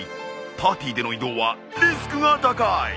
パーティーでの移動はリスクが高い！